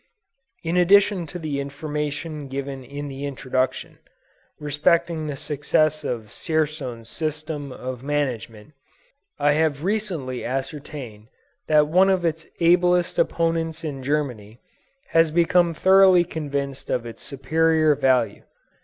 In addition to the information given in the Introduction, respecting the success of Dzierzon's system of management, I have recently ascertained that one of its ablest opponents in Germany, has become thoroughly convinced of its superior value.